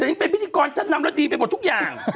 ให้เป็นพิธีกรฉันนำรถดีไปหมดทุกอย่าง